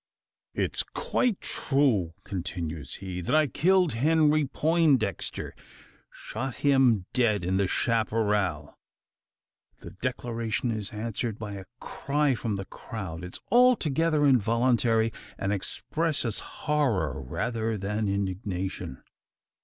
"It is quite true," continues he, "that I killed Henry Poindexter shot him dead in the chapparal." The declaration is answered by a cry from the crowd. It is altogether involuntary, and expresses horror rather than indignation.